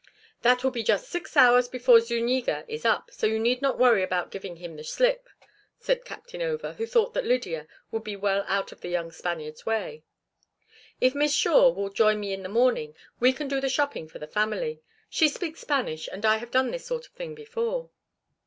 "That will be just six hours before Zuñiga is up, so you need not worry about giving him the slip," said Captain Over, who thought that Lydia would be well out of the young Spaniard's way. "If Miss Shore will join me in the morning we can do the shopping for the family. She speaks Spanish, and I have done this sort of thing before."